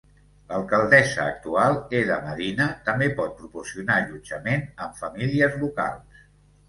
L'alcaldessa actual, Eda Medina, també pot proporcionar allotjament amb famílies locals.